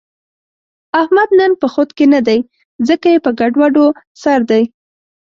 احمد نن په خود کې نه دی، ځکه یې په ګډوډو سر دی.